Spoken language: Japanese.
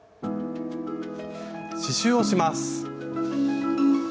刺しゅうをします。